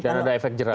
dan ada efek jerah